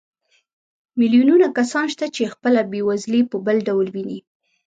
میلیونونه کسان شته چې خپله بېوزلي په بل ډول ویني